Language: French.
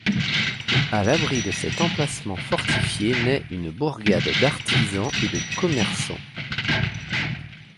À l’abri de cet emplacement fortifié naît une bourgade d’artisans et de commerçants.